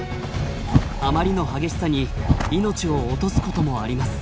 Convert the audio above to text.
あまりの激しさに命を落とすこともあります。